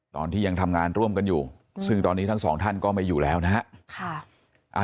ตอนที่ยังทำงานร่วมกันอยู่ซึ่งตอนนี้ทั้งสองท่านก็ไม่อยู่แล้วนะฮะ